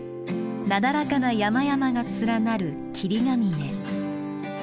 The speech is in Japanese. なだらかな山々が連なる霧ヶ峰。